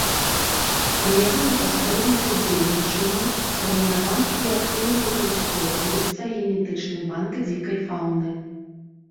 Пры яго непасрэдным садзейнічанні сфарміраваны і актыўна выкарыстоўваецца генетычны банк дзікай фаўны.